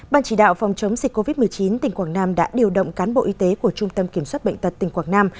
ban chỉ đạo phòng chống dịch covid một mươi chín tỉnh quảng nam đã điều động cán bộ y tế của trung tâm kiểm soát bệnh tật tỉnh quảng nam